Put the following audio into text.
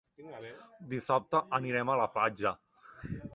Dissabte anirem a la platja.